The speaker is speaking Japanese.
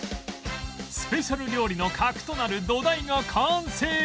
スペシャル料理の核となる土台が完成！